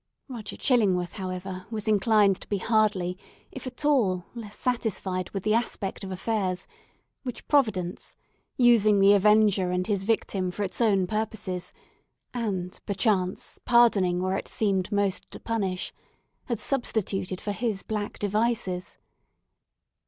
Roger Chillingworth, however, was inclined to be hardly, if at all, less satisfied with the aspect of affairs, which Providence—using the avenger and his victim for its own purposes, and, perchance, pardoning, where it seemed most to punish—had substituted for his black devices.